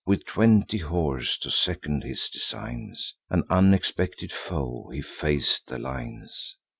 With twenty horse to second his designs, An unexpected foe, he fac'd the lines.